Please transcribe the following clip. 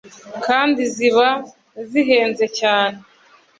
kandi ziba zahenze cyane